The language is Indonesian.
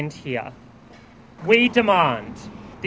tidak berakhir di sini